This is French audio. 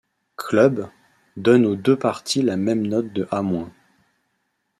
Club, donnent aux deux parties la même note de A-.